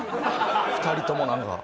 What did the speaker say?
２人ともなんか。